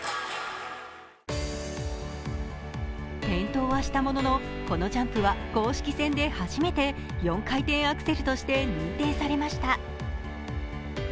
転倒はしたものの、このジャンプは公式戦で初めて４回転アクセルとして認定されました。